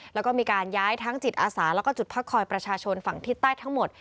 แล้วก็มีการย้ายทั้งจิตอาสาแล้วก็จุดพักคอยประชาชนฝั่งทิศใต้ทั้งหมด